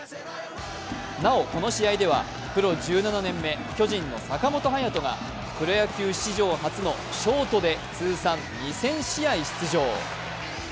なお、この試合ではプロ１７年目巨人の坂本勇人がプロ野球史上初のショートで通算２０００試合出場。